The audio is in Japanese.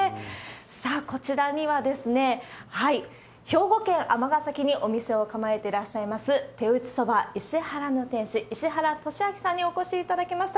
さあ、こちらには、兵庫県尼崎にお店を構えていらっしゃいます、手打ちそば、いしはらの店主、石原敏明さんにお越しいただきました。